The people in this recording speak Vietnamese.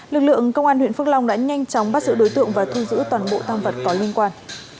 lực lượng công an huyện phước long đã nhanh chóng bắt giữ đối tượng và thu giữ toàn bộ tam vật có liên quan